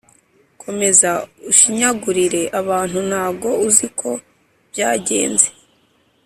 Komeza ushinyagurire abantu ntago uziko byanze